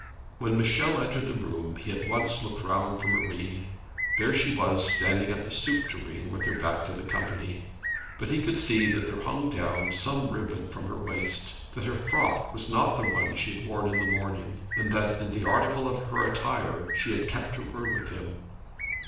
When Michel entered the room he at once looked round for Marie. There she was standing at the soup tureen with her back to the company. But he could see that there hung down some ribbon from her waist, that her frock was not the one she had worn in the morning, and that in the article of her attire she had kept her word with him.